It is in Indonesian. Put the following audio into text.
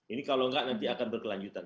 ini kalau enggak nanti akan berkelanjutan